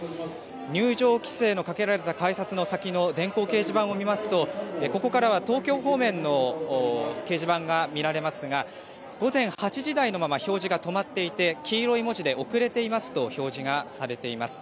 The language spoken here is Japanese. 入場規制のかけられた改札の先の電光掲示板を見ますとここからは東京方面の掲示板が見られますが午前８時台のまま表示が止まっていて黄色い文字で遅れていますと表示がされています。